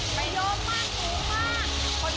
ไปโยมมาก